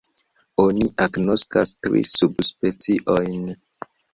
Oni agnoskas tri subspeciojn.